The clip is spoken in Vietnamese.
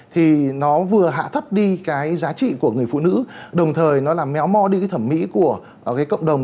thì nó vừa hạ thấp đi cái giá trị của người phụ nữ đồng thời nó là méo mò đi cái thẩm mỹ của cái cộng đồng